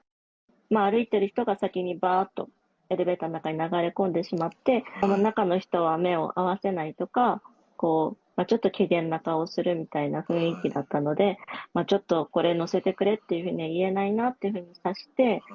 歩いてる人が先にばーっとエレベーターの中に流れ込んでしまって、中の人は目を合わせないとか、ちょっとけげんな顔をするみたいな雰囲気だったので、ちょっとこれ、乗せてくれっていうふうに言えないなっていうふうに察して。